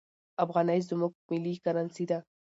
افغانۍ زموږ ملي کرنسي ده.